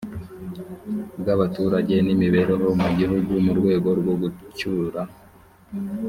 bw abaturage n imibereho mu gihugu mu rwego rwo gucyura